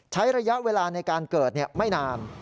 ใช้ระยะเวลาในการเกิดไม่นาน